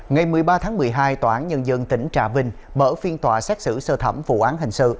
ngày một mươi ba tháng một mươi hai tòa án nhân dân tỉnh trà vinh mở phiên tòa xét xử sơ thẩm vụ án hình sự